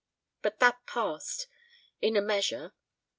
... But that passed in a measure.